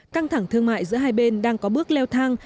căng thẳng thương mại giữa hai bên đang có bước leo thang